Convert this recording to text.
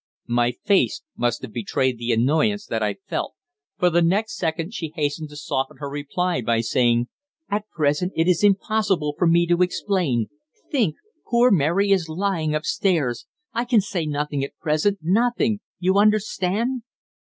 My face must have betrayed the annoyance that I felt, for the next second she hastened to soften her reply by saying: "At present it is impossible for me to explain. Think! Poor Mary is lying upstairs. I can say nothing at present nothing you understand."